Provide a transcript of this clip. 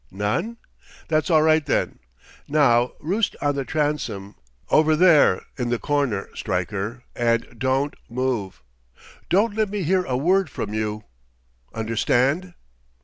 None? That's all right, then. Now roost on the transom, over there in the corner, Stryker, and don't move. Don't let me hear a word from you. Understand?"